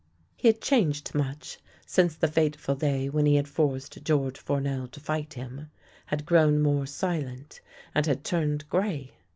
He had changed much since the fateful day when he had forced George Fournel to fight him ; had grown more silent, and had turned grey.